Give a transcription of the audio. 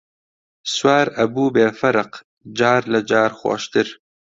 سوار ئەبوو بێ فەرق، جار لە جار خۆشتر